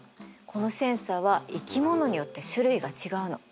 このセンサーは生き物によって種類が違うの。